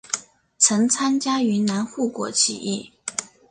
曾参加云南护国起义。